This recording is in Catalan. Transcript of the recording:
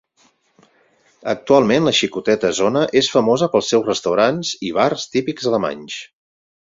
Actualment la xicoteta zona és famosa pels seus restaurants i bars típics alemanys.